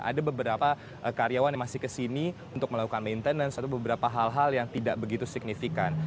ada beberapa karyawan yang masih kesini untuk melakukan maintenance atau beberapa hal hal yang tidak begitu signifikan